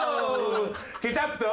ケチャップと。